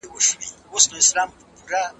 زه به تر نیمو شپو پوري د کتاب مطالعې ته ناست وم.